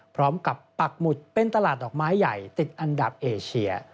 ปักหมุดเป็นตลาดดอกไม้ใหญ่ติดอันดับเอเชีย